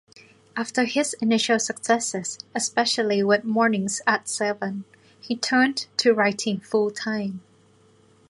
After his initial successes, especially with "Morning's at Seven", he turned to writing full-time.